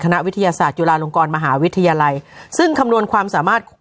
นักวิทยาศาสตร์จุฬาลงกรมหาวิทยาลัยซึ่งคำนวณความสามารถ